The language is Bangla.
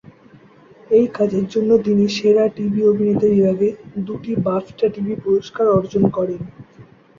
এই কাজের জন্য তিনি সেরা টিভি অভিনেতা বিভাগে দুটি বাফটা টিভি পুরস্কার অর্জন করেন।